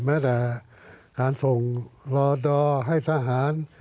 แม้แต่การส่งรอดอให้ทหาร